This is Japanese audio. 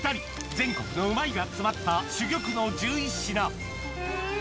全国のうまいが詰まった珠玉の１１品うん！